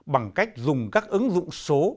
bằng cách dùng các ứng dụng số